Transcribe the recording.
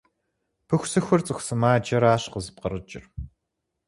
Пыхусыхур цӀыху сымаджэращ къызыпкъырыкӀыр.